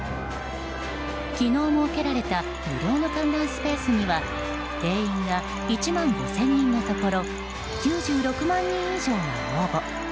昨日設けられた無料の観覧スペースには定員が１万５０００人のところ９６万人以上が応募。